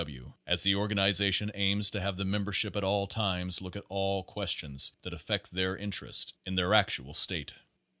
W., as the organization aims to have the mem bership at all times look at all questions that affect their interests in their actual state.